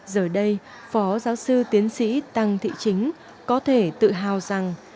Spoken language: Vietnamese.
giờ đây phó giáo sư tiến sĩ tăng thị chính có thể tự hào rằng